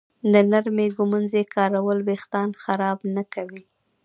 د نرمې ږمنځې کارول وېښتان خراب نه کوي.